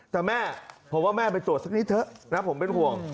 แต่แม่ผมว่าแม่ไปตรวจสักนิดเถอะนะผมเป็นห่วง